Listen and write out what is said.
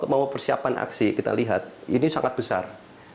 mau persiapan aksi kita lihat ini sangat besar